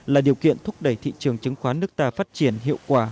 là điều kiện thúc đẩy thị trường chứng khoán nước ta phát triển hiệu quả